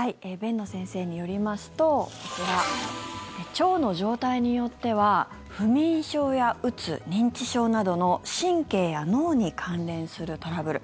辨野先生によりますと腸の状態によっては不眠症や、うつ、認知症などの神経や脳に関連するトラブル。